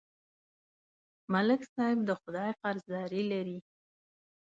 ملک صاحب د خدای قرضداري لري